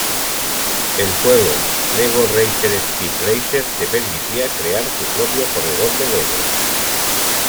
El juego Lego Racer Speed Racer, te permitía crear tu propio corredor de legos.